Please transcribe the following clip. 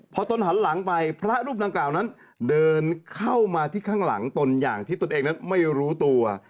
พอตนหันหลังไปพระรูปดังกล่าวนั้นเดินเข้ามาที่ข้างหลังตนอย่างที่ตนเองนั้นไม่รู้ตัว